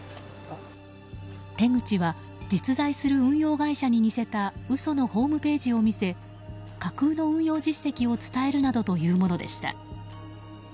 手口は実在する運用会社に似せた嘘のホームページを見せ架空の運用実績を伝えるなどというものでした。